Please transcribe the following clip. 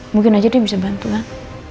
mungkin aja dia bisa bantu kan